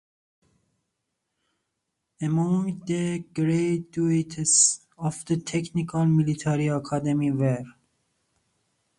Among the graduates of the Technical Military Academy were